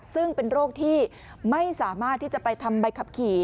ซึ่งเป็นโรคที่ไม่สามารถที่จะไปทำใบขับขี่